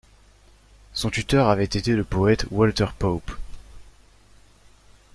Son tuteur avait été le poète Walter Pope.